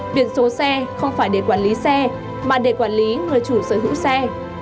biển số xe không phải để quản lý xe mà để quản lý người chủ sở hữu xe